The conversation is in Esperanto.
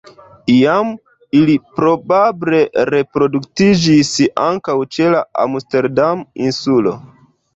Iam ili probable reproduktiĝis ankaŭ ĉe la Amsterdam-Insulo.